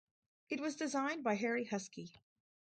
It was designed by Harry Huskey.